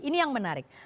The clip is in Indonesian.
ini yang menarik